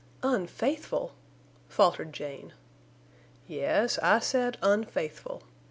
"Un faithful!" faltered Jane. "Yes, I said unfaithful.